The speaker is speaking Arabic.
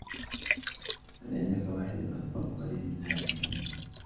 هل عندك واحد أكبر قليلًا من هذه ؟